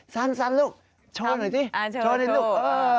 สั้นลูกโชว์หน่อยสิโชว์หน่อยลูก